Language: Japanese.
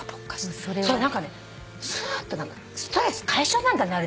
それ何かねスーってストレス解消なんだねあれ。